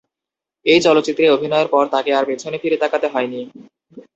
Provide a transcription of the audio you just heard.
এই চলচ্চিত্রে অভিনয়ের পর তাঁকে আর পেছনে ফিরে তাকাতে হয়নি।